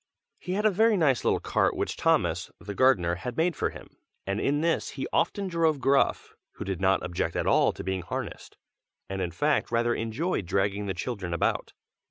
He had a very nice little cart which Thomas, the gardener, had made for him, and in this he often drove Gruff, who did not object at all to being harnessed, and in fact rather enjoyed dragging the children about.